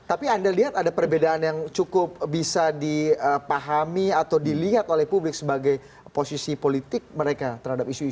tapi anda lihat ada perbedaan yang cukup bisa dipahami atau dilihat oleh publik sebagai posisi politik mereka terhadap isu isu